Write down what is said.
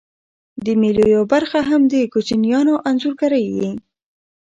د مېلو یوه برخه هم د کوچنيانو انځورګرۍ يي.